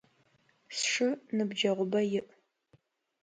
Сшы ныбджэгъубэ иӏ.